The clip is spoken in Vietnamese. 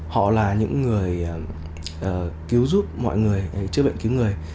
họ là những người cứu giúp mọi người chữa bệnh cứu người